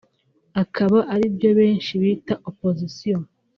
akaba ari byo benshi bita « Opposition »